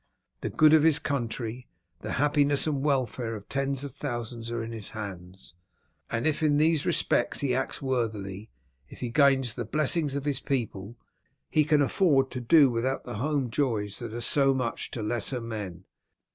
The good of his country, the happiness and welfare of tens of thousands are in his hands; and if in these respects he acts worthily, if he gains the blessings of his people, he can afford to do without the home joys that are so much to lesser men.